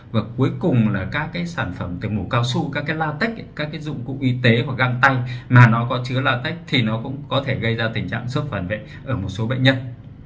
và cuối cùng là các sản phẩm mù cao su các latex các dụng cụ y tế hoặc găng tay mà nó có chứa latex thì nó cũng có thể gây ra tình trạng sốc phản vệ ở một số bệnh nhân